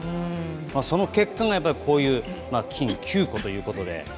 その結果がこういう、金９個ということで。